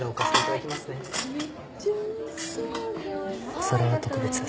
お皿は特別です。